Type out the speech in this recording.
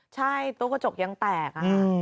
ใช่ตู้กระจกยังแตก